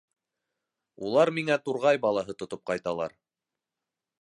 Улар миңә турғай балаһы тотоп ҡайталар.